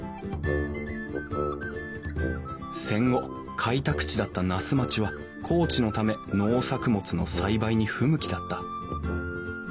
戦後開拓地だった那須町は高地のため農作物の栽培に不向きだった。